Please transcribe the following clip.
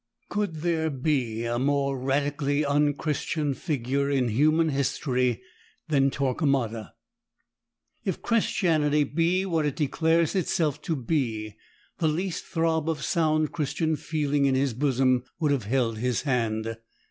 Could there be a more radically unchristian figure in human history than Torquemada? If Christianity be what it declares itself to be, the least throb of sound Christian feeling in his bosom would have held his hand.